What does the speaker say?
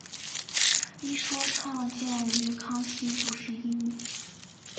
一说创建于康熙五十一年。